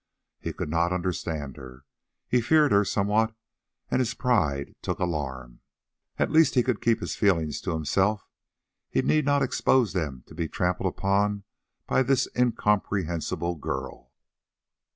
He could not understand her, he feared her somewhat, and his pride took alarm. At the least he could keep his feelings to himself, he need not expose them to be trampled upon by this incomprehensible girl.